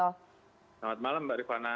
selamat malam mbak rifana